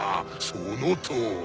そのとおり！